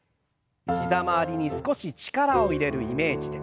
膝周りに少し力を入れるイメージで。